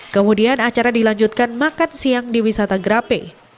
kemudian acara dilanjutkan makan siang di wisata grape